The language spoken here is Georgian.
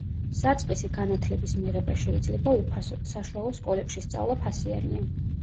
საწყისი განათლების მიღება შეიძლება უფასოდ, საშუალო სკოლებში სწავლა ფასიანია.